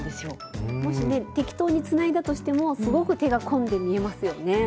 もしね適当につないだとしてもすごく手が込んで見えますよね。